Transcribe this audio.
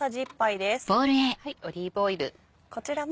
オリーブオイル。